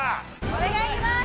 お願いします！